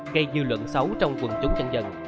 gây dư luận xấu trong quần chúng dân dân